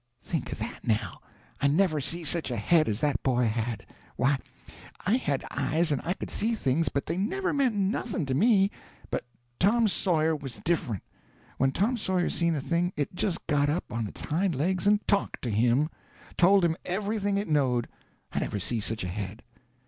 Think of that now. I never see such a head as that boy had. Why, I had eyes and I could see things, but they never meant nothing to me. But Tom Sawyer was different. When Tom Sawyer seen a thing it just got up on its hind legs and talked to him—told him everything it knowed. I never see such a head.